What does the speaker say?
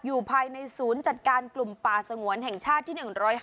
อยู่ภายในศูนย์จัดการกลุ่มป่าสงวนแห่งชาติที่๑๕